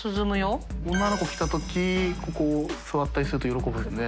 女の子来たとき海海座ったりすると喜ぶんで。